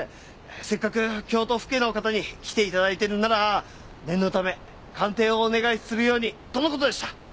せっかく京都府警の方に来て頂いてるなら念のため鑑定をお願いするようにとの事でした。